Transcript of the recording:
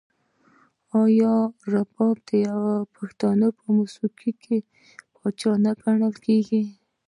آیا رباب د پښتو موسیقۍ پاچا نه ګڼل کیږي؟